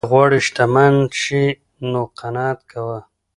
که غواړې شتمن شې نو قناعت کوه.